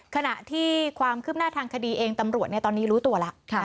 ขณะที่ความคืบหน้าทางคดีเองตำรวจตอนนี้รู้ตัวแล้ว